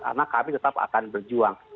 karena kami tetap akan berjuang